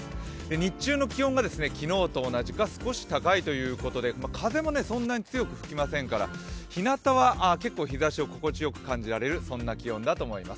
日中の気温は今日と比べて少し高いということで、風もそんなに強く吹きませんからひなたは結構心地よく感じられる気温だと思います。